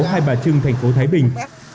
hai bà trưng thành phố thái bình